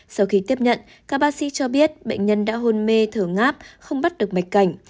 sau khi tiếp nhận các bác sĩ cho biết bệnh nhân đã hôn mê thở ngáp không bắt được mạch cảnh